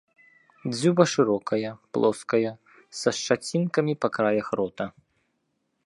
Дзюба шырокая, плоская, са шчацінкамі па краях рота.